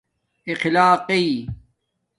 اخلاقݵ